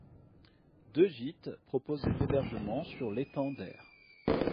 Deux gites proposent des hébergements sur l'étang d'Aire.